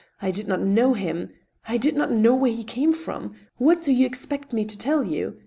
I did not know him. I don't know where he came from. ... What do you expect me to tell you